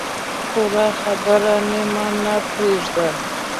پوره خبره نیمه نه پرېږده.